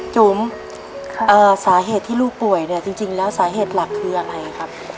จุ๋มสาเหตุที่ลูกป่วยเนี่ยจริงแล้วสาเหตุหลักคืออะไรครับ